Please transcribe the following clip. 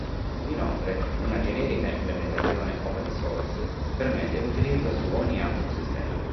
Inoltre una generica implementazione open source permette l'utilizzo su ogni altro sistema.